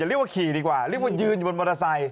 เรียกว่าขี่ดีกว่าเรียกว่ายืนอยู่บนมอเตอร์ไซค